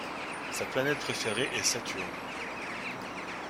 Sa planète préférée est Saturne.